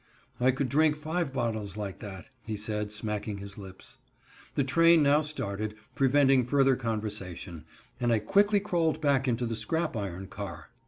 "I could drink five bottles like that," he said, smacking his lips. The train now started, preventing further conversation, and I quickly crawled back into the scrap iron car.